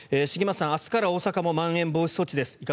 茂松さん、明日から大阪もまん延防止措置です。